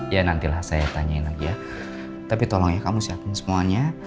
ya nantilah saya tanyain lagi ya tapi tolong ya kamu siapin semuanya